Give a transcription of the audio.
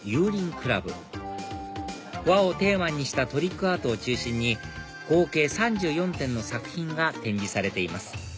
倶楽部和をテーマにしたトリックアートを中心に合計３４点の作品が展示されています